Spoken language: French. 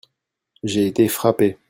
J'ai été frappé.